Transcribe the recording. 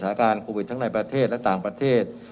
สถานการณ์โควิดทั้งในประเทศและต่างประเทศ